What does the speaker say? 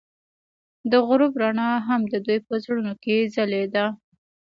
د غروب رڼا هم د دوی په زړونو کې ځلېده.